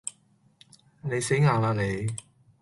你死硬喇你